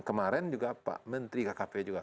kemarin juga pak menteri kkp juga